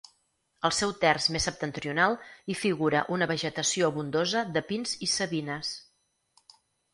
Al seu terç més septentrional hi figura una vegetació abundosa de pins i savines.